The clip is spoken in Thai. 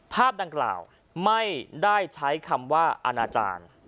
ภาพดังกล่าวไม่ได้ใช้คำว่าอาณาจารย์